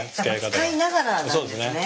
やっぱ使いながらなんですね。